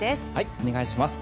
お願いします。